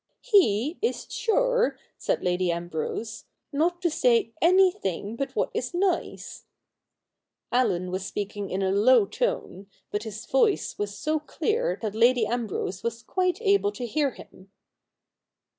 ' He is sure,' said Lady Ambrose, ' not to say anything but what is nice.' i^llen was speaking in a low tone, but his voice was so clear that Lady Ambrose was quite able to hear him.